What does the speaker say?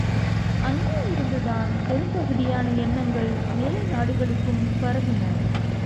அங்கே இருந்துதான் பெரும்பகுதியான எண்ணங்கள் மேலை நாடுகளுக்கும் பரவின!